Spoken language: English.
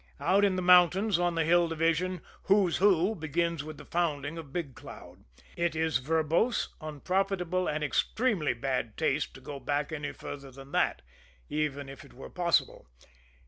Out in the mountains on the Hill Division, "Who's Who" begins with the founding of Big Cloud it is verbose, unprofitable and extremely bad taste to go back any farther than that even if it were possible.